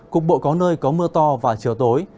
cục bộ có nơi có mưa to vào chiều tối